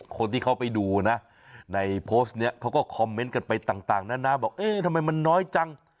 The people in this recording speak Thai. คนที่เขาไปดูนะในโพสต์นี้เขาก็คอมเมนต์กันไปต่างนานาบอกเอ๊ะทำไมมันน้อยจัง